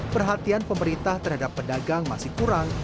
perhatian pemerintah terhadap pedagang masih kurang